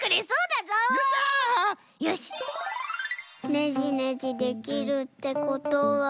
ねじねじできるってことは。